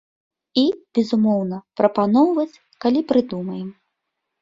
І, безумоўна, прапаноўваць, калі прыдумаем.